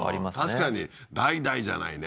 確かに代々じゃないね